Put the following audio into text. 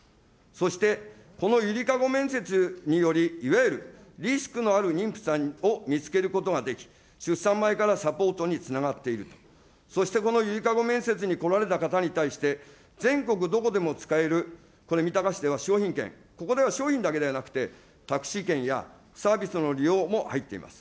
そして、このゆりかご面接により、いわゆるリスクのある妊婦さんを見つけることができ、出産前からサポートにつながっていると、そしてこのゆりかご面接に来られた方に対して、全国どこでも使える、これ、三鷹市では商品券、ここでは商品だけではなくて、タクシー券やサービスの利用も入っています。